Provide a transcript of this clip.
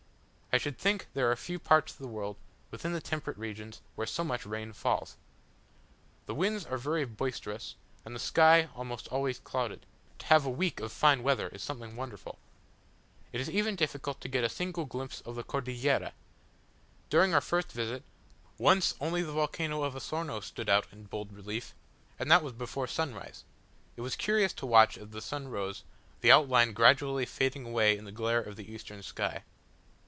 I should think there are few parts of the world, within the temperate regions, where so much rain falls. The winds are very boisterous, and the sky almost always clouded: to have a week of fine weather is something wonderful. It is even difficult to get a single glimpse of the Cordillera: during our first visit, once only the volcano of Osorno stood out in bold relief, and that was before sunrise; it was curious to watch, as the sun rose, the outline gradually fading away in the glare of the eastern sky.